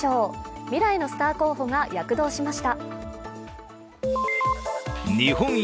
未来のスター候補が躍動しました。